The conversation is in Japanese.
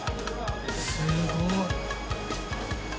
すごい。